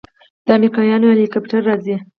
د امريکايانو هليكاپټر راځي.